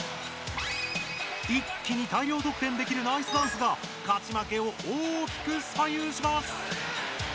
一気に大量得点できるナイスダンスが勝ち負けを大きく左右します！